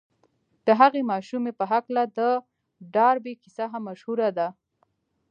د هغې ماشومې په هکله د ډاربي کيسه هم مشهوره ده.